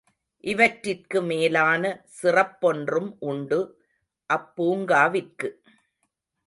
இவற்றிற்கு மேலான சிறப்பொன்றும் உண்டு அப் பூங்காவிற்கு.